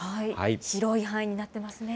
広い範囲になってますね。